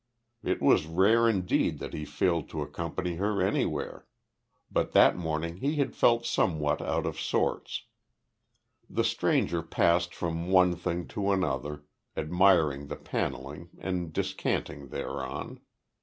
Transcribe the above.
It was rare indeed that he failed to accompany her anywhere; but that morning he had felt somewhat out of sorts. The stranger passed from one thing to another, admiring the panelling and discanting thereon.